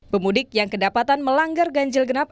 pemudik yang kedapatan melanggar ganjil genap